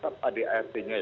saya sudah melangkap adatnya